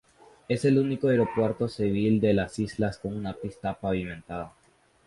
Es el único aeropuerto civil de las islas con una pista pavimentada.